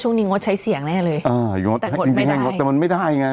ชาวนี้งดใช้เสียงแน่เลยอ่ายกเงินไม่ได้แต่มันไม่ได้ไง